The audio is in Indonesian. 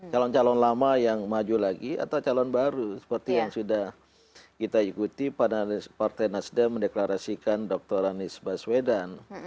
calon calon lama yang maju lagi atau calon baru seperti yang sudah kita ikuti pada partai nasdem mendeklarasikan dr anies baswedan